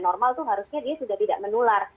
normal itu harusnya dia sudah tidak menular